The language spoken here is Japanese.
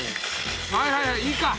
はいはいいいか。